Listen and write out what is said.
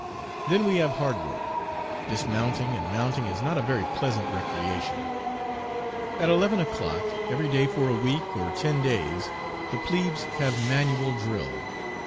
Then we have hard work. Dismounting and mounting is not a very pleasant recreation. At eleven o'clock, every day for a week or ten days, the plebes have manual drill.